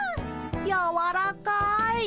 やわらかい。